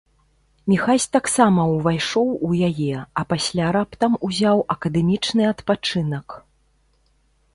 Міхась таксама ўвайшоў у яе, а пасля раптам узяў акадэмічны адпачынак.